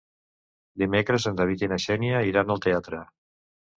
Dimecres en David i na Xènia iran al teatre.